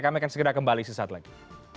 kami akan segera kembali sesaat lagi